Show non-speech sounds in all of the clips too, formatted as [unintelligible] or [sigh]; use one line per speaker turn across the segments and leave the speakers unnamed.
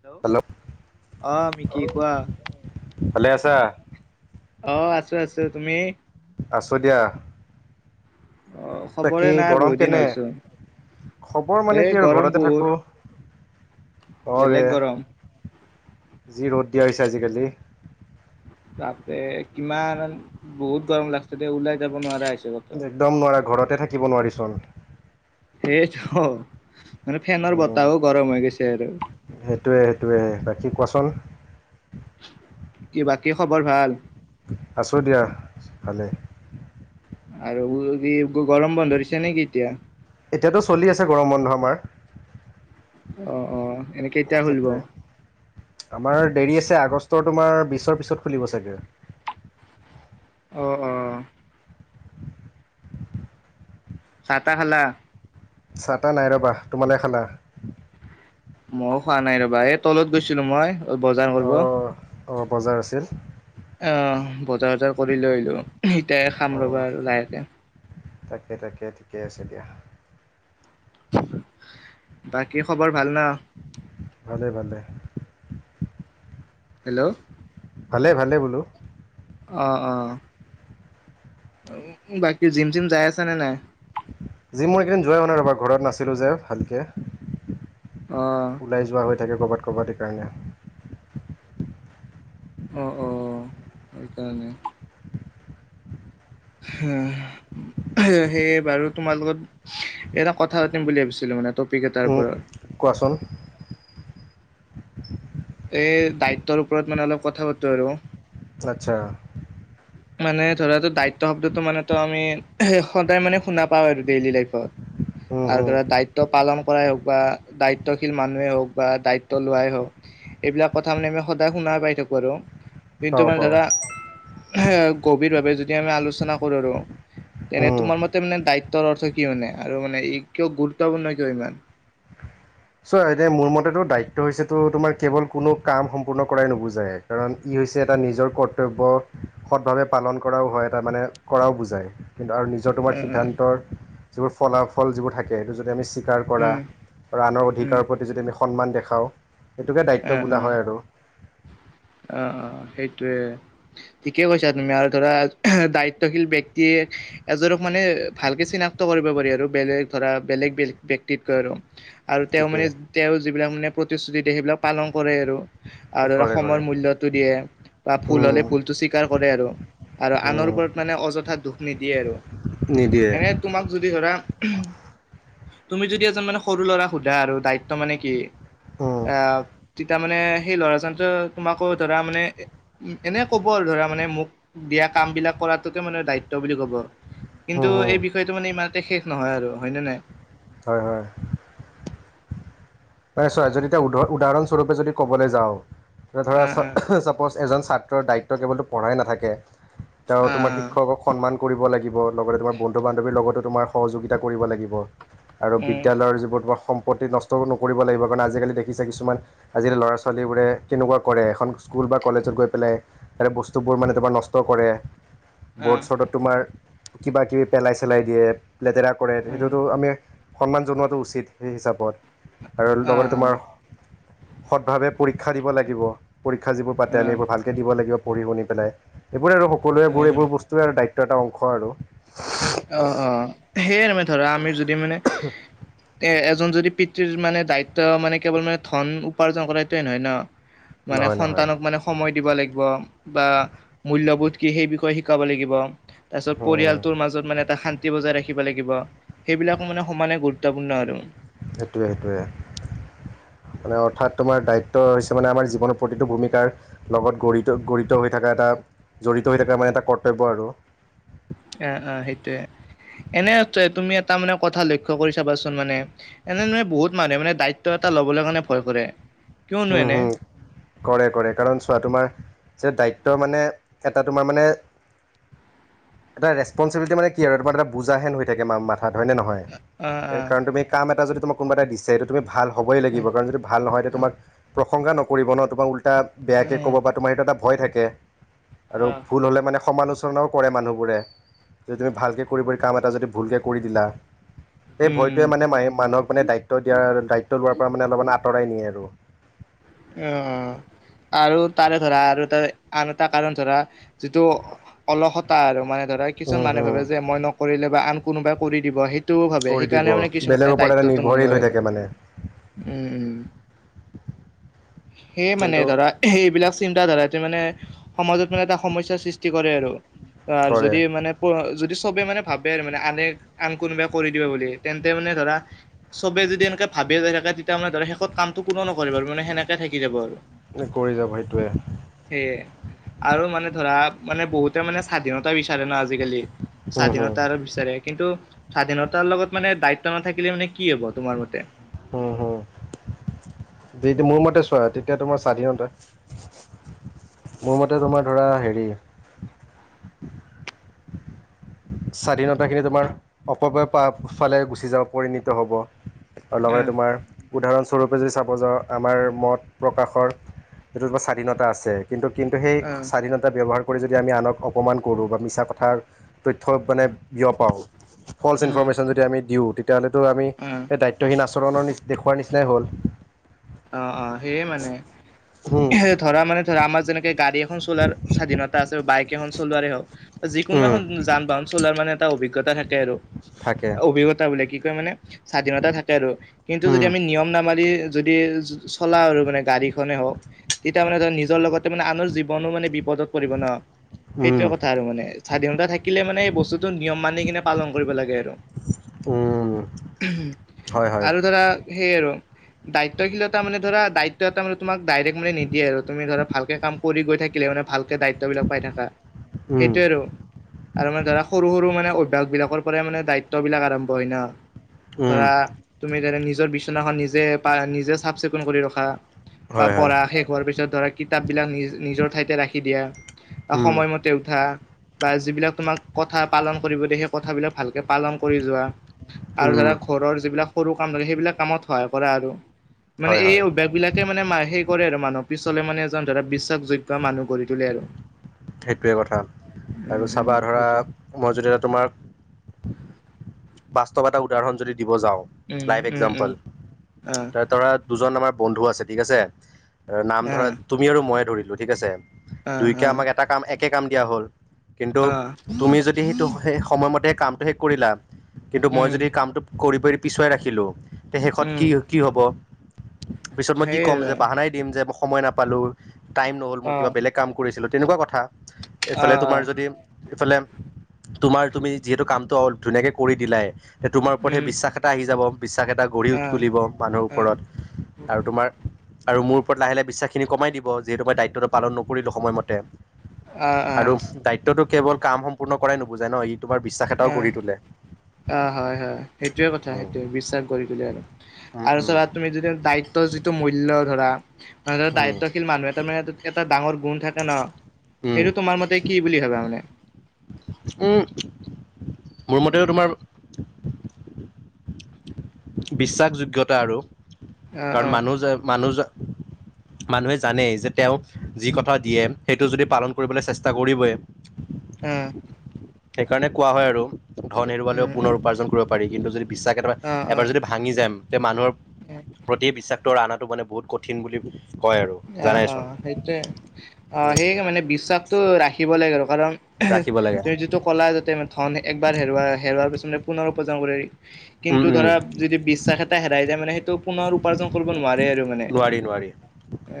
Hello আহ কি কোৱা
ভালে আছা
অ আছো আছো তুমি
আছোঁ দিয়া
অ খবৰে
বাকী
নাই বহুত
গৰম
দিন
কেনে
হ'লচোন
খবৰ মানে
এই
কি আৰু
গৰম
ঘৰতে
বহুত
থাকো অৰে
বেলেগ গৰম
যি ৰ'দ দিয়া হৈছে আজিকালি
তাতে কিমান বহুত গৰম লাগছে দে ওলাই যাব নোৱাৰা হৈছে কতো
একদম নোৱাৰা ঘৰতে থাকিব নোৱাৰিচো আমি
সেয়েটো মানে ফেনৰ
উম
বতাহও গৰম হৈ গৈছে আৰু
সেইটোৱে সেইটোৱে বাকি কোৱাচোন
কি বাকী খবৰ ভাল?
আছোঁ দিয়া ভালে।
আৰু গৰম বন্ধ দিছে নেকি এতিয়া।
এতিয়া তো চলি আছে গৰম বন্ধ আমাৰ
অ অ এনেকে কেতিয়া খুলব।
সেইটোৱে আমাৰ দেৰি আছে আগষ্টৰ তোমাৰ বিছৰ পিছত খুলিব চাগে-
অ অ, ছাহ তাহ খালা।
চাহ টা নাই ৰ'বা তোমালোকে খালা।
মইও খোৱা নাই ৰবা এই তলত গৈছিলো মই বজাৰ কৰিব।
অঁ অঁ, বজাৰ আছিল।
আহ বজাৰ বজাৰ কৰি লৈ আহিলো। এতিয়া খাম
অঁ
ৰবা আৰু লাহেকে।
তাকে তাকে ঠিকে আছে দিয়া।
বাকী খবৰ ভাল ন?
ভালে ভালে
হেল্ল'।
ভালে ভালে বোলো।
অ, অ। বাকী জিম চিম যাই আছা নে নাই?
জিম মই এইকেইদিন যোৱাই হোৱা নাই ৰ'বা ঘৰত নাছিলোঁ যে ভালকে।
অ
ওলাই যোৱা হৈ থাকে ক'ৰবাত ক'ৰবাতেই সেইৰণে।
অঁ, অ সেইকাৰণে। হম। সেয়ে বাৰু তোমাৰ লগত এটা কথা পাতিম বুলি ভাবিছিলো মানে ত তপিক এটাৰ
উম,
ওপৰত।
কোৱাচোন
এই দায়িত্বৰ ওপৰত মানে অলপ কথা পাতো আৰু।
আচ্ছা।
মানে ধৰাটো দায়িত্ব শব্দটো মানেো আমি সদায় মানে শুনা পাওঁ আৰু ডেইলি লাইফত।
উম
আৰু
হুম,
ধৰা দায়িত্ব পালন কৰাই হওক বা দায়িত্বশীল মানুহে হওক বা দায়িত্ব লোৱাই হওক এইবিলাক কথা মানে আমি সদায় শুনা পাই থাক আৰু। কিন্তু,
পাওঁ
মানে
পাওঁ
ধৰা গভীৰভাৱে যদি আমি আলোচনা কৰো। আৰু তেনে তোমাৰ মতে মানে দায়িত্বৰ অৰ্থ কি মানে, আৰু মানে কিয় গুৰুত্বপূৰ্ণ কিয় ইমান? [inaudible]
চোৱা এয়া মোৰ মতেতো দায়িত্ব হৈছে তো তোমাৰ কেৱল কোনো কাম সম্পূৰ্ণ কৰাই নুবুজাই। কাৰণ ই এটা নিজৰ কৰ্তব্য সৎভাৱে পালন কৰাও হয় এটা মানে কৰাও বুজায়। কিন্তু আৰু নিজৰ তোমাৰ
উম
সিদ্ধান্তৰ যিবোৰ ফলাফল যিবোৰ থাকে সেইটো যদি আমি অধিকাৰ কৰা
উম
আৰু আনৰ
উম উম
অধিকাৰৰ প্ৰতি যদি আমি সন্মান দেখাওঁ। সেইটোকে
অ
দায়িত্ব
অ
বোলা হয় আৰু।
অ, অ সেইটোয়ে ঠিকেই কৈছা তুমি আৰু ধৰা দায়িত্বশীল ব্যক্তিয়ে এজনক মানে ভালকে চিনাক্ত কৰিব পাৰি আৰু বেলেগ ধৰা বেলেগ বেলেগ ব্য়ক্তিতকৈ আৰু। আৰু তেওঁ
ঠিকে
মানে তেওঁ যিবিলাক মানে প্ৰতিশ্ৰুতি দিয়ে সেইবিলাক পালন কৰে আৰু আৰু।
কৰে কৰে
সময়ৰ মূল্যটো দিয়ে বা ভুল হ'লে
উম।
ভুলতটো স্বীকাৰ কৰে আৰু আৰু আনৰ
উম,
ওপৰত মানে অযথা দুখ নিদিয়ে আৰু
নিদিয়ে।
এনে তোমাক যদি ধৰা তুমি যদি এজন মানে সৰু ল'ৰাক সোধা আৰু দায়িত্ব মানে কি?
উম,
আহ, তেতিয়া মানে সেই ল'ৰাজনতো তোমাকো ধৰা মানে এনে ক'ব আৰু ধৰা মানে মোক দিয়া কাম বিলাক কৰাতোকে মানে দায়িত্ব। বুলি কব কিন্তু
হুম, হুম,
এই বিষয়টো মানে ইমানতে শেষ নহয় আৰু হয় ন নাই।
হয়, হয়।
[inaudible]
নাই ছোৱা যদি এতিয়া উদাহৰণস্বৰূপে যদি কবলৈ যাওঁ ধৰা
অ অ
চাপজ এজন ছাত্ৰৰ দায়িত্ব কেৱলতো পঢ়াই নাথাকে। তেওঁ
অ
তোমাৰ
অ
শিক্ষকক সন্মান কৰিব লাগিব লগতে তোমাৰ বন্ধু বান্ধৱীৰ লগতো তোমাৰ সহযোগিতা কৰিব লাগিব আৰু
উম
বিদ্যালয়ৰ যিবোৰ তোমাৰ সম্পত্তি নষ্ট ন কৰিব লাগিব কাৰণ আজি কালি দেখিছা কিছুমান লৰা ছোৱালীৰ কেনেকোৱা কৰে এখন স্কুল বা কলেজত গৈ পেলা- বস্তুবোৰ মানে তোমাৰ নষ্ট কৰে।
অ
বৰ্ড-চৰ্ডত তোমাৰ কিবা-কিবি পেলাই-চেলাই দিয়ে। লেতেৰা কৰে
উম
সেইটোতো আমি সন্মান জনোৱাটো উচিত সেই হিচাপত। আৰু
অ
লগতে
অ
তোমাৰ সদভাৱে পৰীক্ষা দিব লাগিব। পৰীক্ষা যিবোৰ পাতে
অ
আমি এইবোৰ ভালকে দিব লাগিব পঢ়ি শুনি পেলাই, এইবোৰ আৰু
হয়
সকলোবোৰ
হয়
এইবোৰ বস্তুৱে আৰু দায়িত্ব এটা অংশ আৰু।
অ অ সেইয়ে মে ধৰা আমি যদি মানে এ যদি পিতৃৰ মানে দায়িত্ব মানে কেৱল মানে ধন উপাৰ্জন কৰোতোৱে নহয় ন। মানে
নহয় নহয়
সন্তানক মানে সময় দিব লাগিব বা মূল্যবোধ কি সেই বিষয়ে শিকাব লাগিব। তাৰ পিছত
উম
পৰিয়ালটোৰ মাজত মানে এটা শান্তি বজাই ৰাখিব লাগিব, সেইবিলাক মানে সমানে গুৰুত্বপূৰ্ণ আৰু।
সেইটোৱে সেইটোৱে।
উম।
মানে অৰ্থাৎ তোমাৰ দায়িত্ব হৈছে মানে আমাৰ জীৱনৰ প্ৰতিটো ভূমিকাৰ, লগত গ়িত গড়িত হৈ থকা এটা। জড়িত হৈ থাকে মানে এটা কৰ্তব্য আৰু।
অ অ সেইটোৱে। এনে তুমি এটা মানে কথা লক্ষ্য কৰি চাবাচোন মানে এনে বহুত মানুহে মানে দায়িত্ব এটা ল'বলৈ কাৰণে ভয় কৰে। কিয়নো
উম
এনে
হম কৰে কৰে কাৰণ চোৱা তোমাৰ যে দায়িত্ব মানে এটা তোমাৰ মানে। এটা ৰেচপনচিবিলিটি মানে কি আৰু তাৰ এটা বুজা হেন হৈ থাকে ম মা। ক হয়নে নহয়
অ
সে
অ
কাৰণ তুমি কাম এটা যদি তোমাৰ কোনোবা এটাই দিছে এইটো তুমি ভাল হ'বই লাগিব কাৰণ যদি ভাল নহয় তেতিয়া
অ
তোমাক প্ৰশংসা নকৰিব ন তোমাক ও
অ
বেয়াকে ক'ব বা তোমাৰ সেটো এটা ভয় থাকে আৰু
অ
ভুল হ'লে মানে সমা আলচনাও কৰে মানুহবোৰে, যদি তুমি ভালকৈ কৰিবলৈ কাম এটা যদি ভুলকে কৰি দিলা এই
উম উম
ভয়টোৱে মানে ম মানুহক মানে দায়িত্ব দিয়া দায়িত্ব লোৱাৰ পৰা মানে অলপমান আঁতৰাই নিয়ে আৰু।
অহ অহ। আৰু তাৰে ধৰা আৰু তাৰ আন এটা কাৰণ ধৰা যিটো অলসতা আৰু মানে ধৰা কিছু
উম,
মানুহে
হুম,
ভাবে যে মই নকৰিলে বা আন কোনোবাই কৰি দিব সেই সেইটো ভাবে
কৰি দিব
সেইকাৰণে মানে কিছুমানে
বেলেগৰ ওপৰত এটা
দায়িত্বটো
নিৰ্ভৰশীল
নলয়
হৈ
আৰু
থাকে মানে
উম উ। সেইয়ে মানে
কিন্তু
ধৰা এইবিলাক চিন্তাধাৰাতে মানে সমাজত মানে এটা সমস্যা ৰ সৃষ্টি কৰে আৰু। অ
কৰে
যদি মানে প যদি সবে মানে ভাবে আৰু মানে আনে আন কোনোবাই কৰি দিব বুলি তেন্তে মানে ধৰা চবে যদি এনেকে ভা বিয়ে থাকে তেতিয়া মানে ধৰ শেষত কামটো কোনো নকৰে আৰু মানে সেনেকে থাকি যাব আৰু।
কৰি যাব সেইটোৱে।
সেয়ে আৰু মানে ধৰা মানে বহুতে মানে স্বাধীনতা বিচাৰে ন আ আজিকালি
উম হুম
স্বাধীনতা বিচাৰে কিন্তু স্বাধীনতাৰ লগত মানে দায়িত্ব নাথাকিলে মানে। কি হব তোমাৰ মতে।
যিহেটো মোৰ মতে চোৱা তেতিয়া তোমাৰ স্বাধীনতা। মোৰ মতে তোমাৰ ধৰা হেৰি। স্বাধীনতাখিনি তোমাৰ, অপবয় ফালে গুচি যাব পৰিণত হ'ব। আৰু লগতে
উম
তোমাৰ উদাহৰণ। স্বৰূপে যদি চাব যাওঁ আমাৰ মত প্ৰকাশৰ যিটো কিবা স্বাধীনতা আছে। কিন্তু কিন্তু সেই
উম
স্বাধীনতা ব্যৱহাৰ কৰি যদি আমি আনক অপমান কৰোঁ বা মিছা কথাৰ। তথ্য মানে বিয় পাওঁ ফলচ
উম
ইনফৰৰ্মেশ্যন যদি আমি দিওঁ। তেতিয়াহ'লেতো আমি
উম
স দায়িত্বহীন আচৰণৰ দেখুওৱাৰ নিচিনাই হ'ল।
অ অ সেইয়ে মানে
উম
ধৰা মানে ধৰা আমাৰ যেনেকে গাড়ী। এখন চলাৰ স্বাধীনতা আছে বাইক এখন চলোৱাৰ হওক যিকোনো
উম
এখন যান বাহন চলোৱাৰ মানে। এটা অভিজ্ঞতা থাকে আৰু
থাকে
অভিজ্ঞতা বোলে কি কয় মানে। স্বাধীনতা থাকে আৰু কিন্তু যদি
উম
আমি নিয়ম নামাৰি। চলা আৰু মানে গাড়ীখনে হওক। তেতিয়া মানে ধ নিজৰ লগতে মানে আনৰ জীৱনো মানে বিপদত পৰিব ন।
উম
সেইটোৱে কথা আৰু মানে স্বাধীনতা থাকিলে মানে এই বস্তুটো নিয়ম মানি কিনে পালন কৰিব লাগে আৰু।
উম। হয় হয়
আৰু ধৰা সেই আৰু। দায়িত্বশীলতা মানে ধৰা দায়িত্ব এটা মানে তোমাক ডাইৰেক্ট মানে নিদিয়ে আৰু তুমি ধৰা ভালকে কাম কৰি গৈ থাকিলে মানে ভাল। দায়িত্ব বিলাক পাই থাকা
উম
সেইটোয়ে আৰু মানে ধৰা সৰু সৰু মানে। বিলাকৰ পৰাই মানে দায়িত্ব বিলাক আৰম্ভ হয় ন
উম
ধৰা তুমি নিজৰ বিচনাখন নিজে পাৰা নিজে চাফ চিকুণ কৰি ৰখা। বা
হয় হয়
পঢ়া শেষ হোৱাৰ পিছত ধৰা কিতাপ বিলাক নি নিজৰ ঠাইতে ৰাখি দিয়া।
উম
সময়মতে উঠা বা যিবিলাক তোমাক কথা পালন কৰিব দিয়ে সেই কথাবিলাক ভালকে পালন কৰি যোৱা। আৰু
উম
ধৰা ঘৰৰ যিবিলাক সৰু কাম থাকে সেইবিলাক কামত সহায় কৰা আৰু। মানে
হয়
এই
হয়
অভ্যাস বিলাকে মানে মাৰ সেই কৰে আৰু। মানুহ পিছলে মানে এজন ধৰা বিশ্বসযোগ্য মানুহ গঢ়ি তোলে আৰু।
সেইটোৱে কথা
উম
আৰু
উম
চাবা ধৰা
সেইটো
মই যদি এটা তোমাক বাস্তৱ এটা উদাহৰণ যদি দিব যাওঁ
um
live
um um
example
অ
ধৰা দুজন আমাৰ বন্ধু আছে ঠিক আছে নাম
অ
ধৰা তুমি আৰু মইয়ে ধৰিলোঁ ঠিক আছে।
অ
দুইকে
অ
আমাক এটা কাম একে কাম দিয়া হ'ল। কিন্তু
অ
তুমি যদি সেইটো স সময়মতে কামটো শেষ কৰিলা কিন্তু মই
উম
যদি কামটো কৰি কৰি পিছুৱাই ৰাখিলোঁ তে শেষত
উম
কি কি হ'ব। পিছত মই কি
সেইয়ে
ক'ম
আৰু
যে বাহানাই দিম যে মই সময় নাপালোঁ টাইম নহ'ল মোৰ
অ
কিবা বেলেগ কাম কৰিছিলোঁ। তেনেকুৱা কথা
অ
এইফালে
অ
তোমাৰ যদি ইফালে। তোমাৰ তুমি যিহেতু কামটো অল ধুনীয়াকে কৰি দিলাই। তোমাৰ ওপৰত সেই
উম
বিশ্বাস এটা আহি যাব বিশ্বাস এটা গঢ়ি
অ
তুলিব মানুহৰ
অ
ওপৰত। আৰু তোমাৰ? আৰু মোৰ ওপৰত লাহে লাহ বিশ্বাখিনি কমাই দিব যিহেতু মই দায়িত্বটো পালন নকৰিলোঁ সময়মতে।
অ অ
আৰু দায়িত্বটো কেৱল কাম সম্পূৰ্ণ কৰাই নুবুজায় ন ই তোমাৰ বিশ্বাস এটাও
অ
গঢ়ি তোলে।
অ হয় হয় সেইটোয়ে কথা
উম
সেইটোৱে বিশ্বাস গঢ়ি তোলে
উম
আৰু
উম
চাবা তুমি যদি দায়িত্ব যিটো মূল্য ধৰা
উম
দায়িত্বশীল মানুহ এটা মানে এটা ডাঙৰ। গুণ থাকে ন
উম
সেইটো তোমাৰ মতে কি বুলি ভাবা মানে?
মোৰ মতে তোমাৰ। বিশ্বাসযোগ্যতা আৰু।
অ অ অ
কাৰণ মানুহ যে মানুহ মানুহে জানেই যে তেওঁ যি কথা দিয়ে সেইটো যদি পালন কৰিবলৈ চেষ্টা কৰিবই।
উম।
সেইকাৰণে কোৱা হয় আৰু ধন হেৰুৱালেও
উম
পুনৰ
উম
উপাৰ্জন কৰিব পাৰি কিন্তু যদি। বিশ্বাস এটা
অ অ
এবাৰ যদি ভাঙি যায় তে মানুহৰ প্ৰতি বিশ্বাসটো আণাত- টো মানে বহুত কঠিন বুলি। কয় আৰু
অ অ
জানাইচোন
সেইটোৱে অ
উম
সেই মানে বিশ্বাসটো ৰাখিব লাগে আৰু কাৰণ-
ৰাখিব লাগে
তুমি যিটো ক'লা যাতে ধন একবাৰ হেৰুৱা হেৰুৱাৰ পিছত পুনৰ উপাৰ্জন কৰিব পাৰি
উম
কিন্তু
উম
ধৰা যদি বিশ্বাস এটা হেৰাই যায় মানে সেইটো পুনৰ উপাৰ্জন কৰিব নোৱাৰে আৰু মানে।
নোৱাৰি নোৱাৰি
এ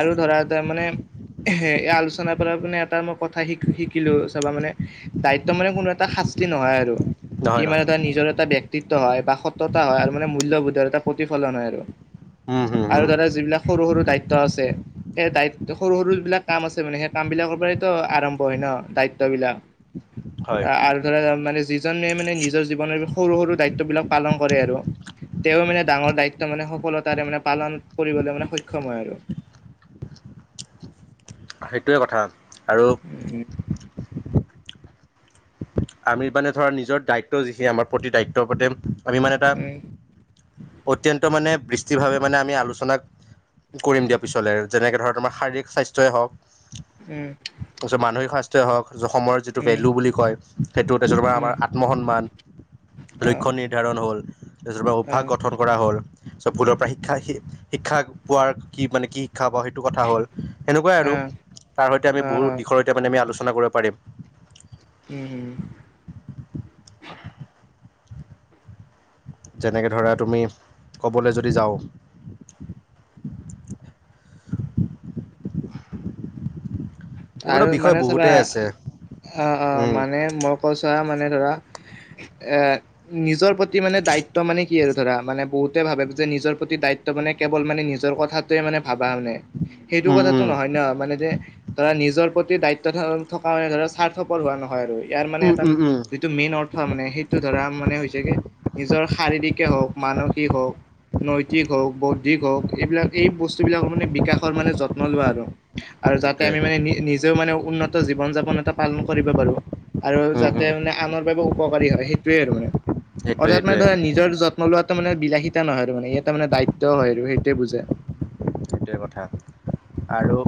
আৰু ধৰা তাৰ মানে এ এই আলোচনাৰ পৰা মানে এটা মোক কথা শিক শিকিলোঁ চাবা মানে দায়িত্ব মানে কোনো এটা শাস্তি নহয় আৰু।
নহয়
ই মানে
নহয়
এটা নিজৰ এটা ব্যক্তি তো বা সততা হয় আৰু মানে মূল্যবোধ আৰু এটা প্ৰতিফলন হয় আৰু।
উম হুম
আৰু
হুম।
ধৰা যিবিলাক সৰু দায়িত্ব আছে। সেই দায়িত সৰু সৰু যিবিলাক কাম আছে মানে সেই কাম বিলাকৰ পৰাইতো আৰম্ভ হয় ন দায়িত্ব বিলাক।
হয়
আৰু ধৰা মানে যি। যি জনে মানে নিজৰ জীৱনৰ সৰু সৰু দায়িত্ব বিলাক পালন কৰে আৰু। তেওঁ মানে ডাঙৰ দায়িত্ব মানে সফলতাৰে মানে পালন কৰিবলৈ মানে সক্ষম হয় আৰু
সেইটোৱে কথা আৰু
উম
আমি মানে ধৰা নিজৰ দায়িত্ব যিখিনি আমাৰ প্ৰতি দায়িত্ব পতে আমি মানে এটা
উম
অত্যন্ত মানে বৃষ্টিভাৱে মানে আমি আলোচনাক কৰিম দিয়া পিছলে যেনেকে ধৰক তোমাৰ শাৰীৰিক স্বাস্থ্যয়ই হওঁক
উম
তাৰপিছত মানসিক স্বাস্থ্যয় হওঁক অসমৰ যিটো
উম
ভেলু বুলি কয় তেজৰ পৰা আমাৰ
উম
আত্ম সন্মান লক্ষ
আহ
নিৰ্ধাৰণ হল ত অভ্যাস
আহ
গঠন কৰা হ'ল চব ফুলৰ পৰা শিক্ষা শ শিক্ষা পোৱাৰ কি মানে কি শিক্ষা প সেইটো কথা হ'ল সেনেকুৱাই আৰু
আহ
তাৰ সৈতে আমি
আহ
বহুত
আহ
দিশৰ মানে আমি আলোচনা চনা কৰিব পাৰিম
হম হম
যেনেকে ধৰা তুমি ক'বলৈ যদি যাওঁ
[unintelligible]
এনেকুৱাতো
আৰু
বিষয়
মানে চাবা
বহুতেই আছে
অহ অহ
উম
মানে মোক সঁচা মানে ধৰা এ নিজৰ প্ৰতি মানে দায়িত্ব মানে কি আৰু ধৰা মানে বহুতে ভাবে যে নিজৰ প্ৰতি দায়িত্ব মানে কেৱল মানে নিজৰ কথাটোৱে মানে ভাবা মানে সেইটো
উম
কথাতটো
উম
নহয় ন মানে যে ধৰা নিজৰ প্ৰতি দায়িত্ব থকাতো স্বাৰ্থপৰ হোৱা নহয় আৰু ইয়াৰ মানে
উম
এটা
উম উম
যিটো মেইন অৰ্থ মানে সেইটো ধৰা মানে হৈছে কি নিজৰ শাৰীৰিকে হওঁক মানসিক হওঁক নৈতিক হওঁক বৌদ্ধিক হওঁক এইবিলাক এই বস্তুবিলাকৰ মানে বিকাশৰ মানে যত্ন লোৱা আৰু আৰু য এতিয়া
সেইটোৱে
আমি মানে নি নিজেও মানে উন্নত জীৱন যাপন এটা পালন কৰিব পাৰো আৰু
উম
যাতে
উম
মানে আনৰ বাবে উপকাৰী হয় সেইটোৱে আৰু মানে
সেইটোৱে
অৰ্থাৎ মানে
সেইটোৱে
ধৰা নিজৰ যত্ন নলোৱাটো মানে বিলাসিতা নহয় আৰু মানে ইয়াতে মানে দায়িত্ব হয় আৰু সেইটোৱে বুজাই
থিকেই কথা আৰু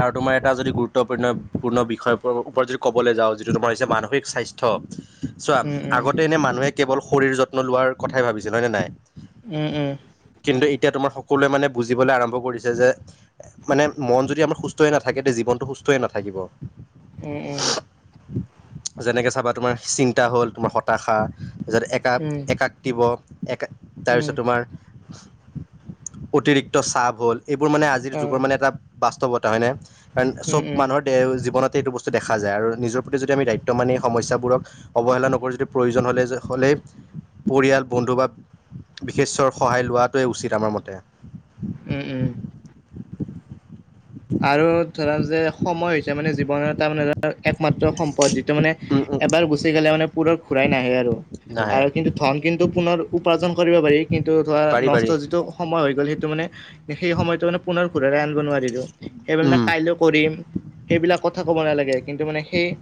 আৰু তোমাৰ এটা যদি গুৰুত্বপূৰ্ণপূৰ্ণ বিষয় ওপৰত যদি ক'বলৈা যাওঁ তোমাৰ হৈছে মানসিক স্বাস্থ্য থ চোৱা
উম উম
আগতে এনে মানুহে কেৱল শৰীৰ যত্ন লোৱাৰ কথাই ভাবিছে হয় নে নাই
উম
কিন্তু এতিয়া তোমাৰ সকলোৱে মানে বুজিবলৈ আৰম্ভ কৰিছে যে মানে মন যদি আমাৰ সুস্থ হৈ নাথাকে তেতিয়া জীৱনটো সুস্থ হৈ নাথাকিব
উম উম
যেনেকে চাবা তোমাৰ চিন্তা হ'ল তোমাৰ হতাখা যদি একাক
উম
একাক দিব এক
উম উম
তাৰপিছত তোমাৰ অতিৰিক্ত চাপ হ'ল এইবোৰ মানে আজিৰ
অ
যুগৰ মানে এটা বাস্তৱত হয়নে কাৰণ
উম
চব
উম
মানুহৰ দে জীৱনত এইটো বস্তু দেখা যায় আৰু নিজৰ প্ৰতি যদি আমি দায়িত্ব মান এই সমস্যাবোৰক অৱহেলা নকৰোঁ যদি প্ৰয়োজন হ'লে হ'লে পৰিয়াল বন্ধু বা বিশেষ্য সহায় লোৱাটোৱে উচিত আমাৰ মতে
উম উম আৰু ধৰা যে সময় হৈছে মানে জীৱনৰ এটা মানে ধৰা একমাত্ৰ সম্পদ যিটো মানে
উম উম
এবাৰ গুচি গলে মানে পোনৰঘূৰাই নাহে আৰু
নাহে
আৰু কিন্তু ধন কিন্তু পুনৰ উপাৰ্জন কৰিব পাৰি কিন্তু ধৰা
পাৰি পাৰি
নষ্ট যিটো সময় হৈ গ'ল সেইটো যিটো মানে সেই সময়তো মানে পুনৰ ঘূৰাৰে আনিব নোৱাৰিলো সেইবিলাক
উম
কাইলৈ কৰিম সেইবিলাক কথা ক'ব নালাগে কিন্তু মানে সেই